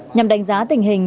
nhằm đánh giá tình hình